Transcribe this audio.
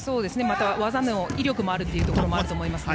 技の威力もあるというところもあると思いますね。